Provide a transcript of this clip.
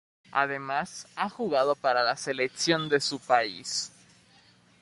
Además, ha jugado para la selección de su país.